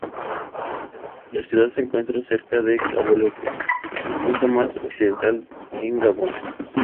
La ciudad se encuentra cerca de Cabo López, el punto más occidental en Gabón.